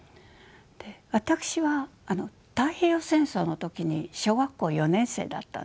私は太平洋戦争の時に小学校４年生だったんです。